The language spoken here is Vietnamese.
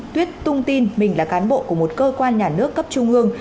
tuyết tung tin mình là cán bộ của một cơ quan nhà nước cấp trung ương